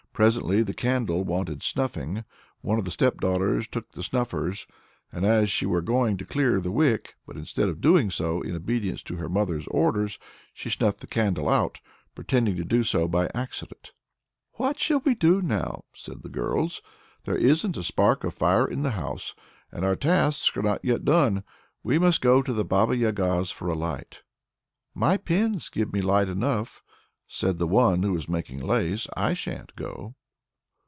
Presently the candle wanted snuffing; one of the stepdaughters took the snuffers, as if she were going to clear the wick, but instead of doing so, in obedience to her mother's orders, she snuffed the candle out, pretending to do so by accident. "What shall we do now?" said the girls. "There isn't a spark of fire in the house, and our tasks are not yet done. We must go to the Baba Yaga's for a light!" "My pins give me light enough," said the one who was making lace. "I shan't go."